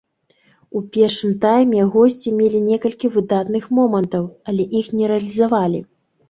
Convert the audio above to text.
У першым тайме госці мелі некалькі выдатных момантаў, але іх не рэалізавалі.